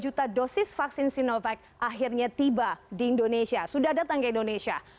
dua puluh juta dosis vaksin sinovac akhirnya tiba di indonesia sudah datang ke indonesia